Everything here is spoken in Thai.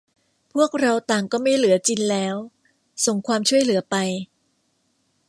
พวกเราต่างก็ไม่เหลือจินแล้ว : ส่งความช่วยเหลือไป !